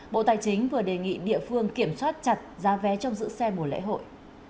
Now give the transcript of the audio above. bộ tài chính vừa đề nghị địa phương kiểm soát chặt giá vé trong giữ xe mùa lễ hội